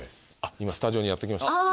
今スタジオにやって来ました。